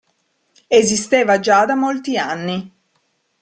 Esisteva già da molti anni.